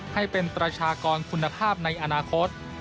ให้เป็นประชากรคุณภาพในอนาคต